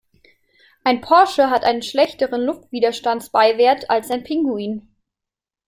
Ein Porsche hat einen schlechteren Luftwiderstandsbeiwert als ein Pinguin.